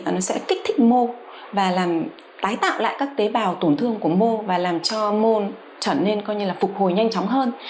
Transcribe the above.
nó sẽ kích thích mô và làm tái tạo lại các tế bào tổn thương của mô và làm cho môn trở nên coi như là phục hồi nhanh chóng hơn